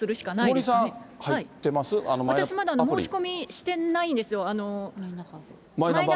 私まだ、申し込みしてないんですよ。